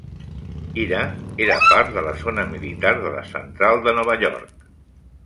Ira era part de la zona militar de la central de Nova York.